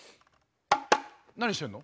何してるの？